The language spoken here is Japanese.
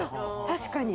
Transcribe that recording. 確かに。